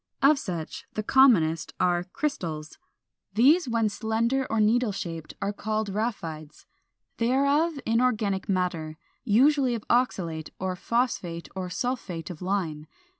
Of such the commonest are 422. =Crystals.= These when slender or needle shaped are called RHAPHIDES. They are of inorganic matter, usually of oxalate or phosphate or sulphate of lime.